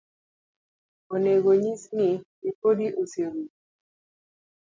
Onego onyis ni ripodi oserumo.